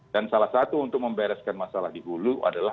dan salah satu untuk membereskan masalah di hulu adalah